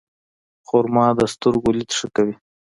خرما د سترګو لید ښه کوي.